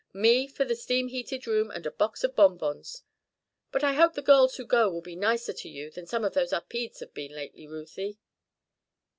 Me for the steam heated room and a box of bonbons. But I hope the girls who go will be nicer to you than some of those Upedes have been lately, Ruthie."